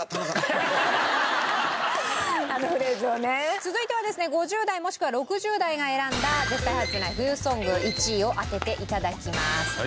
続いてはですね５０代もしくは６０代が選んだ絶対ハズせない冬ソング１位を当てて頂きます。